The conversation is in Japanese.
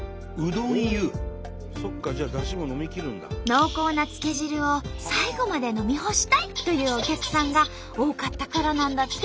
濃厚なつけ汁を最後まで飲み干したいというお客さんが多かったからなんだって。